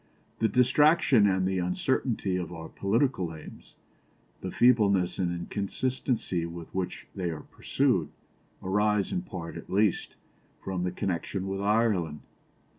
The distraction and the uncertainty of our political aims, the feebleness and inconsistency with which they are pursued, arise, in part at least, from the connection with Ireland.